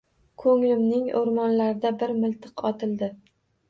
Ko’nglimning o’rmonlarida bir miltiq otildi.